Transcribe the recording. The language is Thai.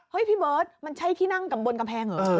พี่เบิร์ตมันใช่ที่นั่งบนกำแพงเหรอ